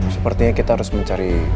sepertinya kita harus mencari